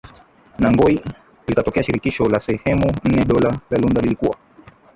na Ngoy likatokea shirikisho ya sehemu nne Dola la Lunda lilikuwa